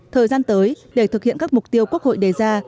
thời gian tới để thực hiện các mục tiêu quốc hội đề ra